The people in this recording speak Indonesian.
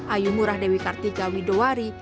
ayu murah dewi kartika widowari